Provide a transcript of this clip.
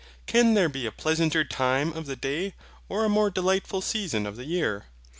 Can there be a pleasanter time of the day, or a more delightful season of the year?